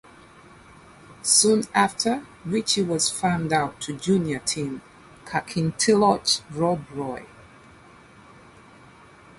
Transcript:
Soon after, Ritchie was 'farmed' out to Junior team Kirkintilloch Rob Roy.